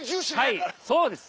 はいそうです！